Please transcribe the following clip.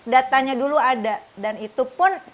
datanya dulu ada dan itu pun